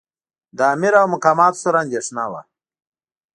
د امیر او مقاماتو سره اندېښنه وه.